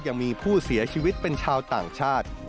ยังมีผู้เสียชีวิตเป็นชาวต่างชาติ